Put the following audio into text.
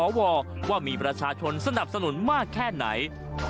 ว่ามีประชาชนสนับสนุนมากแค่ไหน